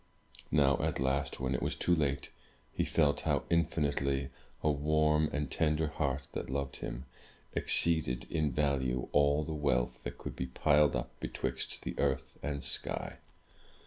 Now, at last, when it was too late, he felt how infinitely a warm and tender heart that loved him, exceeded in value all the wealth that could be piled up betwixt the earth and sky!